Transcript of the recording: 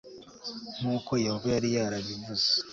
nk uko Yehova yari yarabivuze